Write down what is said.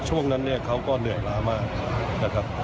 ช่วงนั้นเนี่ยเขาก็เหนื่อยล้ามากนะครับ